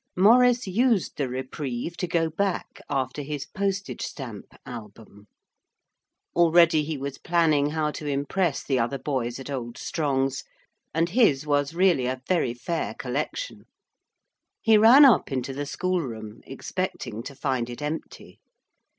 Maurice used the reprieve to go back after his postage stamp album. Already he was planning how to impress the other boys at old Strong's, and his was really a very fair collection. He ran up into the schoolroom, expecting to find it empty.